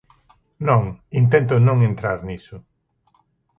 Non, intento non entrar niso.